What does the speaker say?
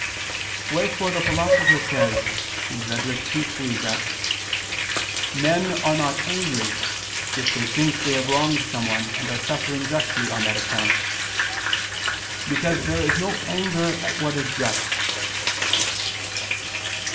Wherefore the Philosopher says (Rhet. ii, 3) that "men are not angry, if they think they have wronged some one and are suffering justly on that account; because there is no anger at what is just."